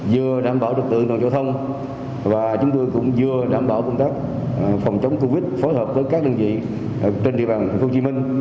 vừa đảm bảo trực tượng đoàn giao thông và chúng tôi cũng vừa đảm bảo công tác phòng chống covid phối hợp với các đơn vị trên địa bàn tp hcm